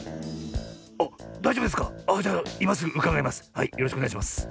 はいよろしくおねがいします。